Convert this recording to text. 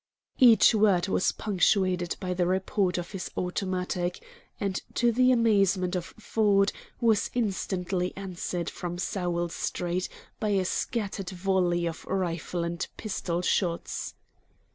Each word was punctuated by the report of his automatic, and to the amazement of Ford, was instantly answered from Sowell Street by a scattered volley of rifle and pistol shots.